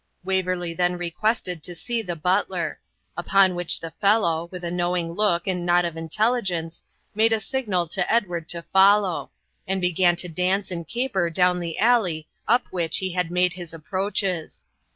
Waverley then requested to see the butler; upon which the fellow, with a knowing look and nod of intelligence, made a signal to Edward to follow, and began to dance and caper down the alley up which he had made his approaches.